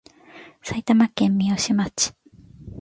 埼玉県三芳町